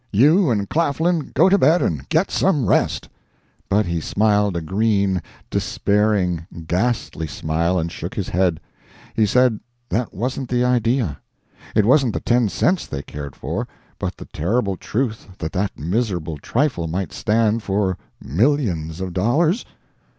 You and Claflin go to bed and get some rest!" But he smiled a green, despairing, ghastly smile, and shook his head. He said that wasn't the idea. It wasn't the ten cents they cared for, but the terrible truth that that miserable trifle might stand for millions of dollars?